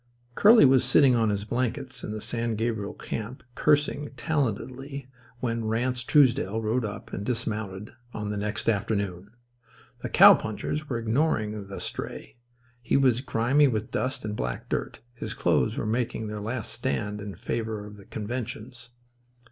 Curly was sitting on his blankets in the San Gabriel camp cursing talentedly when Ranse Truesdell rode up and dismounted on the next afternoon. The cowpunchers were ignoring the stray. He was grimy with dust and black dirt. His clothes were making their last stand in favour of the conventions.